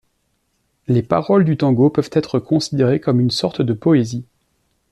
Les paroles du tango peuvent être considérées comme une sorte de poésie.